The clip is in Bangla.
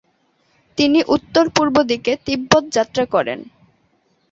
তিনি উত্তর-পূর্ব দিকে তিব্বত যাত্রা করেন।